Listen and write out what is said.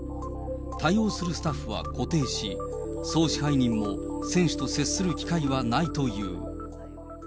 対応するスタッフは固定し、総支配人も選手と接する機会はないという。